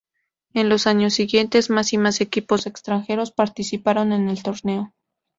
En los años siguientes, más y más equipos extranjeros participaron en el torneo.